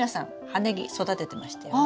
葉ネギ育ててましたよね？